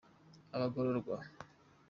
abagororwa.